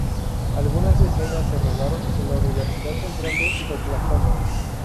Algunas escenas se rodaron en la Universidad Central de Oklahoma.